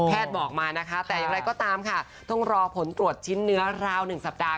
บอกมานะคะแต่อย่างไรก็ตามค่ะต้องรอผลตรวจชิ้นเนื้อราว๑สัปดาห